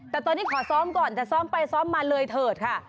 แต่ตอนนี้ขอซ้อมก่อนแต่ซ้อมไปซ้อมมาเลยเถิดค่ะ